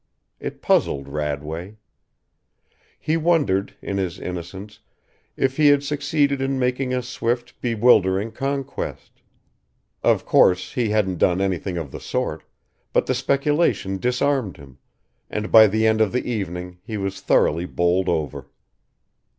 It puzzled Radway. He wondered, in his innocence, if he had succeeded in making a swift, bewildering conquest. Of course he hadn't done anything of the sort, but the speculation disarmed him, and by the end of the evening he was thoroughly bowled over.